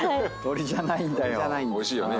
おいしいよね